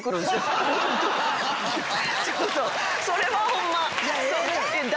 それはホンマ。